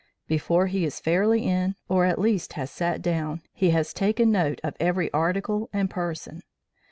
Before he is fairly in, or at least has sat down, he has taken note of every article and person.